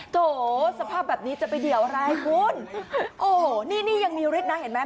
โถสภาพแบบนี้จะไปเดี่ยวอะไรคุณโอ้โหนี่นี่ยังมีฤทธินะเห็นไหม